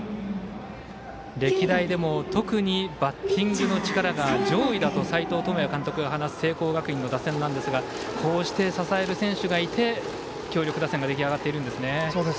歴代でも特にバッティングの力が上位だと斎藤智也監督が話す聖光学院の打線なんですがこうして支える選手がいて強力打線が出来上がっているんですね。